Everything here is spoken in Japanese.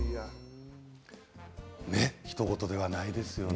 ね、ひと事ではないですよね。